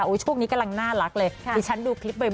ช่วงนี้กำลังน่ารักเลยดิฉันดูคลิปบ่อย